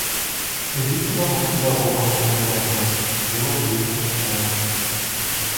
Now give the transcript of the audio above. Ідзіце да нас педагогам-арганізатарам, мы вас вельмі чакаем.